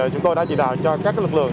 chúng tôi đã chỉ đào cho các lực lượng